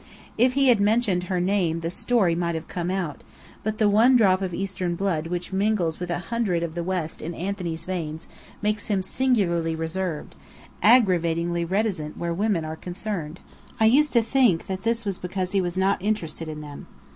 If he had mentioned her name the story might have come out; but the one drop of Eastern blood which mingles with a hundred of the West in Anthony's veins makes him singularly reserved, aggravatingly reticent where women are concerned. I used to think that this was because he was not interested in them.